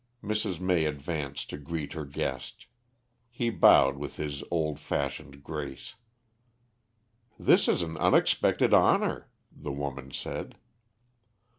Mrs. May advanced to greet her guest. He bowed with his old fashioned grace. "This is an unexpected honor," the woman said.